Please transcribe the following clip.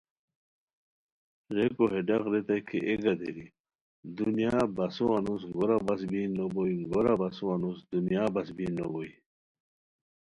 ریکو ہے ڈاق ریتائے کی اے گدیری! دنیا بسو انوس گورا بس بین نو بوئے، گورا بسو انوس دنیا بس بین نوبوئے